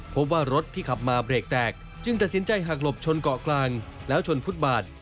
พบว่ารถที่ขับมาเบรกแตกจึงตัดสินใจหักหลบชนเกาะกลางแล้วชนฟุตบาท